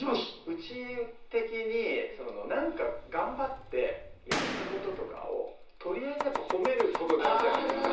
うち的に何か頑張ってやったこととかを取りあえずやっぱ褒めること大事じゃないですか。